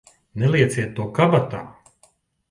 Nelieciet to kabatā!